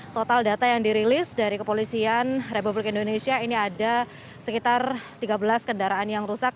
total data yang dirilis dari kepolisian republik indonesia ini ada sekitar tiga belas kendaraan yang rusak